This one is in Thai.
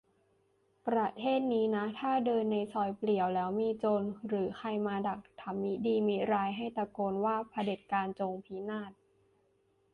"ประเทศนี้นะถ้าเดินในซอยเปลี่ยวแล้วมีโจรหรือใครมาดักทำมิดีมิร้าย ให้ตะโกนว่า "เผด็จการจงพินาศ